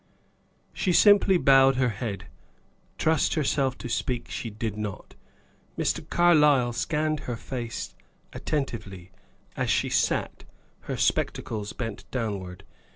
She simply bowed her head; trust herself to speak she did not. Mr. Carlyle scanned her face attentively, as she sat, her spectacles bent downward.